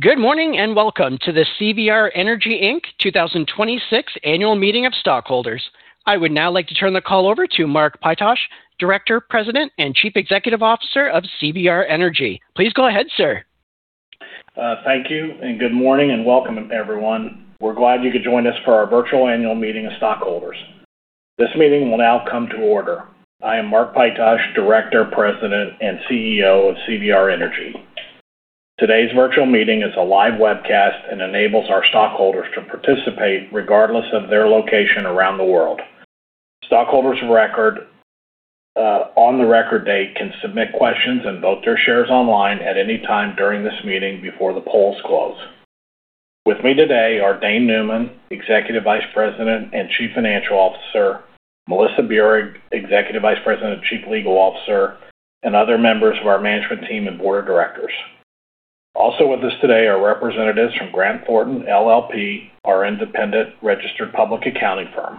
Good morning, and welcome to the CVR Energy, Inc. 2026 Annual Meeting of Stockholders. I would now like to turn the call over to Mark Pytosh, Director, President, and Chief Executive Officer of CVR Energy. Please go ahead, sir. Thank you, and good morning, and welcome, everyone. We're glad you could join us for our virtual annual meeting of stockholders. This meeting will now come to order. I am Mark Pytosh, Director, President, and CEO of CVR Energy. Today's virtual meeting is a live webcast and enables our stockholders to participate regardless of their location around the world. Stockholders on the record date can submit questions and vote their shares online at any time during this meeting before the polls close. With me today are Dane Neumann, Executive Vice President and Chief Financial Officer, Melissa Buhrig, Executive Vice President and Chief Legal Officer, and other members of our management team and board of directors. Also with us today are representatives from Grant Thornton LLP, our independent registered public accounting firm.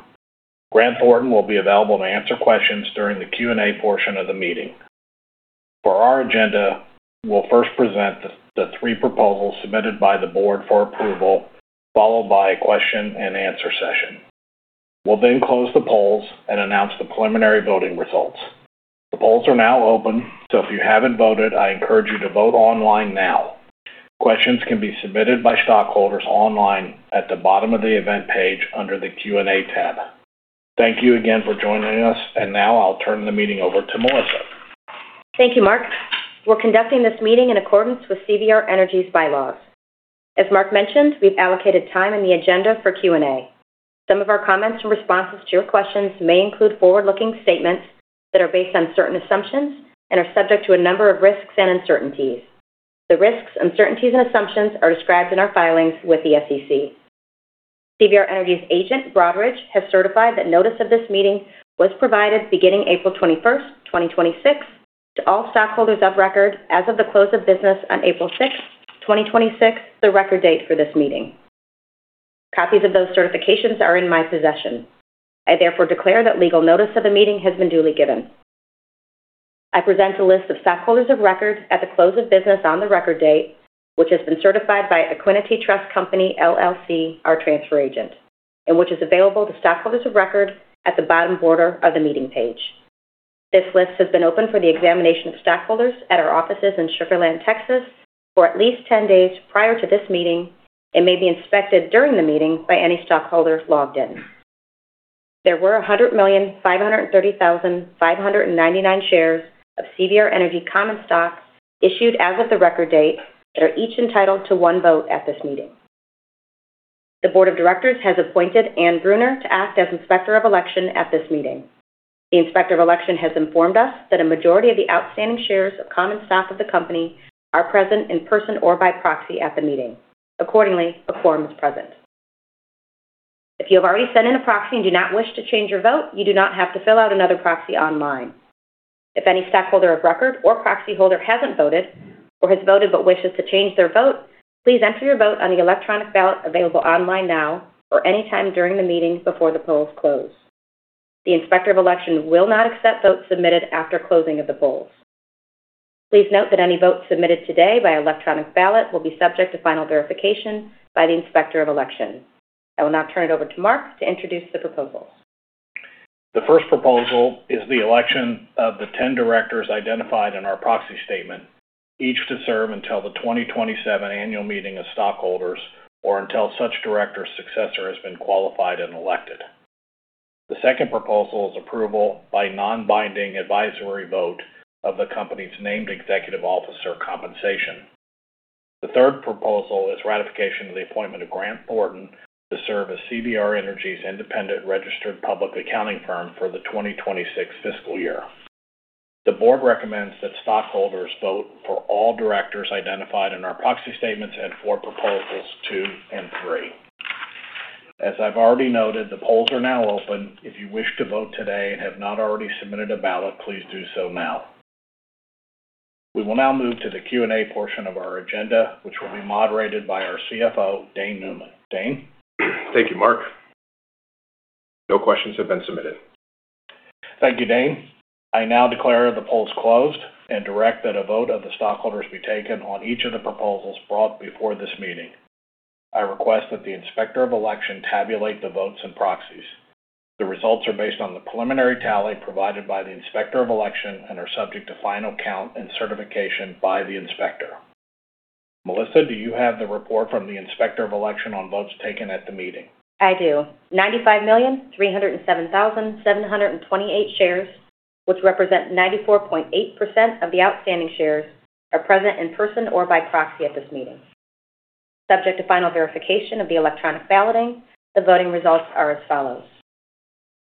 Grant Thornton will be available to answer questions during the Q&A portion of the meeting. For our agenda, we'll first present the three proposals submitted by the board for approval, followed by a question-and-answer session. We'll then close the polls and announce the preliminary voting results. The polls are now open, so if you haven't voted, I encourage you to vote online now. Questions can be submitted by stockholders online at the bottom of the event page under the Q&A tab. Thank you again for joining us. Now I'll turn the meeting over to Melissa. Thank you, Mark. We're conducting this meeting in accordance with CVR Energy's bylaws. As Mark mentioned, we've allocated time in the agenda for Q&A. Some of our comments and responses to your questions may include forward-looking statements that are based on certain assumptions and are subject to a number of risks and uncertainties. The risks, uncertainties, and assumptions are described in our filings with the SEC. CVR Energy's agent, Broadridge, has certified that notice of this meeting was provided beginning April 21st, 2026, to all stockholders of record as of the close of business on April 6th, 2026, the record date for this meeting. Copies of those certifications are in my possession. I therefore declare that legal notice of the meeting has been duly given. I present a list of stockholders of record at the close of business on the record date, which has been certified by Equiniti Trust Company LLC, our transfer agent, and which is available to stockholders of record at the bottom border of the meeting page. This list has been open for the examination of stockholders at our offices in Sugar Land, Texas, for at least 10 days prior to this meeting and may be inspected during the meeting by any stockholder logged in. There were 100,530,599 shares of CVR Energy common stock issued as of the record date that are each entitled to one vote at this meeting. The board of directors has appointed Anne Brunner to act as Inspector of Election at this meeting. The Inspector of Election has informed us that a majority of the outstanding shares of common stock of the company are present in person or by proxy at the meeting. Accordingly, a quorum is present. If you have already sent in a proxy and do not wish to change your vote, you do not have to fill out another proxy online. If any stockholder of record or proxy holder hasn't voted or has voted but wishes to change their vote, please enter your vote on the electronic ballot available online now or any time during the meeting before the polls close. The Inspector of Election will not accept votes submitted after closing of the polls. Please note that any votes submitted today by electronic ballot will be subject to final verification by the Inspector of Election. I will now turn it over to Mark to introduce the proposals. The first proposal is the election of the 10 directors identified in our proxy statement, each to serve until the 2027 annual meeting of stockholders or until such director's successor has been qualified and elected. The second proposal is approval by non-binding advisory vote of the company's named executive officer compensation. The third proposal is ratification of the appointment of Grant Thornton to serve as CVR Energy's independent registered public accounting firm for the 2026 fiscal year. The board recommends that stockholders vote for all directors identified in our proxy statements and for Proposals two and three. As I've already noted, the polls are now open. If you wish to vote today and have not already submitted a ballot, please do so now. We will now move to the Q&A portion of our agenda, which will be moderated by our CFO, Dane Neumann. Dane? Thank you, Mark. No questions have been submitted. Thank you, Dane. I now declare the polls closed and direct that a vote of the stockholders be taken on each of the proposals brought before this meeting. I request that the Inspector of Election tabulate the votes and proxies. The results are based on the preliminary tally provided by the Inspector of Election and are subject to final count and certification by the inspector. Melissa, do you have the report from the Inspector of Election on votes taken at the meeting? I do. 95,307,728 shares, which represent 94.8% of the outstanding shares, are present in person or by proxy at this meeting. Subject to final verification of the electronic balloting, the voting results are as follows.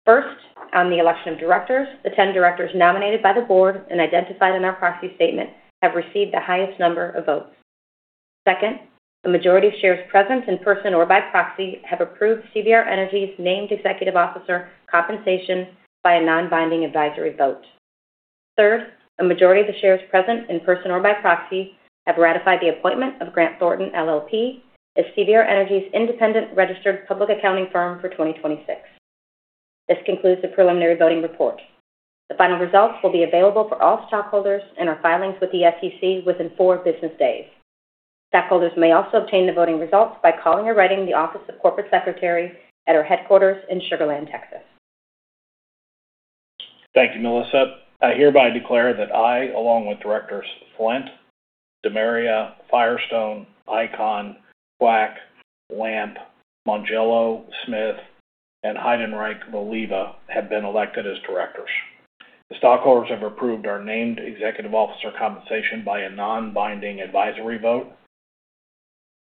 First, on the election of directors, the 10 directors nominated by the board and identified in our proxy statement have received the highest number of votes. Second, a majority of shares present in person or by proxy have approved CVR Energy's named executive officer compensation by a non-binding advisory vote. Third, a majority of the shares present in person or by proxy have ratified the appointment of Grant Thornton LLP as CVR Energy's independent registered public accounting firm for 2026. This concludes the preliminary voting report. The final results will be available for all stockholders in our filings with the SEC within four business days. Stockholders may also obtain the voting results by calling or writing the Office of Corporate Secretary at our headquarters in Sugar Land, Texas. Thank you, Melissa. I hereby declare that I, along with Directors Flint, DeMaria, Firestone, Icahn, Kwak, Lamp, Mongillo, Smith, and Heidenreich Voliva have been elected as directors. The stockholders have approved our named executive officer compensation by a non-binding advisory vote.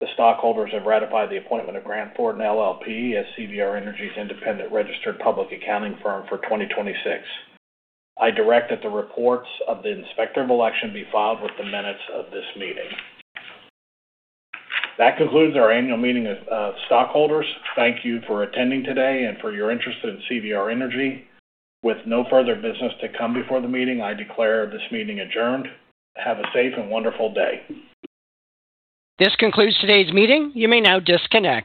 The stockholders have ratified the appointment of Grant Thornton LLP as CVR Energy's independent registered public accounting firm for 2026. I direct that the reports of the Inspector of Election be filed with the minutes of this meeting. That concludes our annual meeting of stockholders. Thank you for attending today and for your interest in CVR Energy. With no further business to come before the meeting, I declare this meeting adjourned. Have a safe and wonderful day. This concludes today's meeting. You may now disconnect.